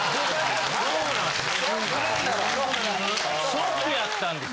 ショックやったんですよ。